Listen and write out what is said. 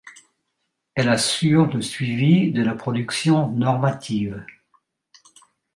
Elle assure le suivi de la production normative.